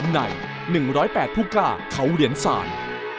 ใน๑๐๘ผู้กล้าเขาเหรียญศาล